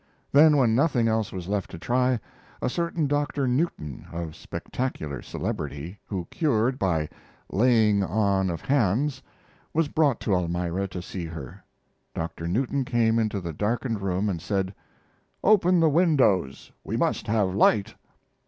Then, when nothing else was left to try, a certain Doctor Newton, of spectacular celebrity, who cured by "laying on of hands," was brought to Elmira to see her. Doctor Newton came into the darkened room and said: "Open the windows we must have light!"